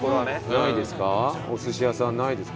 ないですか？